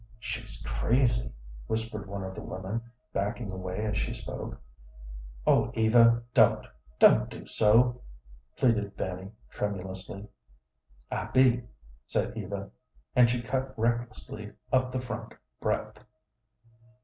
"She's crazy," whispered one of the women, backing away as she spoke. "Oh, Eva, don't; don't do so," pleaded Fanny, tremulously. "I be," said Eva, and she cut recklessly up the front breadth.